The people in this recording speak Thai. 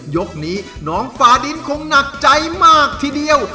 ยกนี้น้องฝาดินคงหนักใจมากทีเดียว